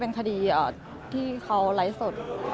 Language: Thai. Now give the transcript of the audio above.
อเรนนี่มีหลังไม้ไม่มี